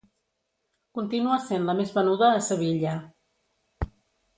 Continua sent la més venuda a Sevilla.